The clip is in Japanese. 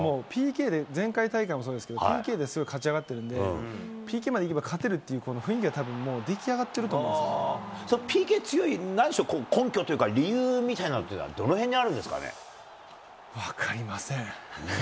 前回大会もそうですけど、ＰＫで勝ち上がってるんで、ＰＫまでいけば勝てるっていう雰囲気がたぶん出来上がってると思ＰＫ強い、なんでしょう、根拠というか、理由みたいなのっていうのは、どのへんにあるんで分かりません。